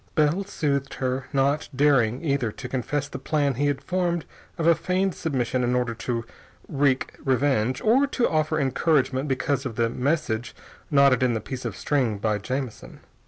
Bell soothed her, not daring either to confess the plan he had formed of a feigned submission in order to wreak revenge, or to offer encouragement because of the message knotted in the piece of string by Jamison.